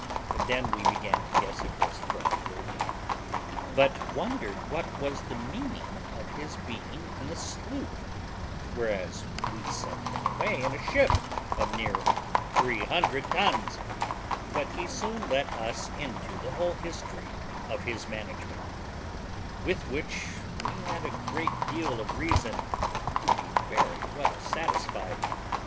Then we began to guess it was friend William, but wondered what was the meaning of his being in a sloop, whereas we sent him away in a ship of near 300 tons; but he soon let us into the whole history of his management, with which we had a great deal of reason to be very well satisfied.